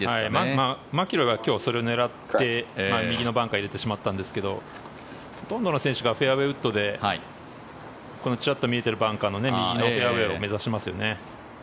マキロイは今日、それを狙って右のバンカーに入れてしまったんですがほとんどの選手がフェアウェーウッドでこのチラッと見ているバンカーの右のフェアウェーを目指しますよね。